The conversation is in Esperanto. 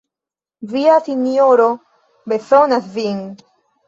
Via sinjoro bezonas vin!